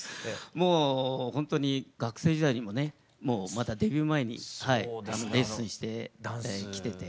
もうほんとに学生時代にもねまだデビュー前にレッスンして来てて。